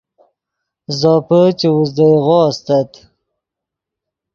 زوپے چے اوزدئیغو استت